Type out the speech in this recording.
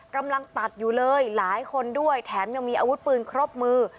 กำลังตัดอยู่เลยหลายคนด้วยแถมยังมีอาวุธปืนครบมือ